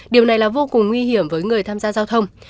điều này là vô cùng nguy hiểm với người tham gia giao thông